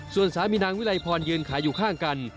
ส่วนสามีนางวิลัยพรยืนขายอยู่ข้างกัน